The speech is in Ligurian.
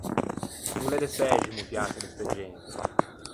No l’é de sæximo fiâse de ste gente.